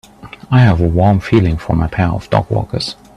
I have a warm feeling for my pair of dogwalkers.